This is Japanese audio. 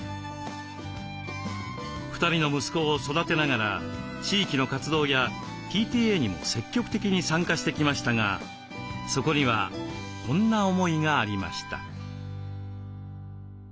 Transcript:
２人の息子を育てながら地域の活動やＰＴＡにも積極的に参加してきましたがそこにはこんな思いがありました。